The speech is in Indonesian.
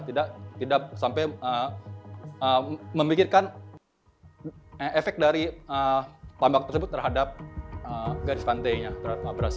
tidak sampai memikirkan efek dari tambak tersebut terhadap garis pantainya terhadap abrasi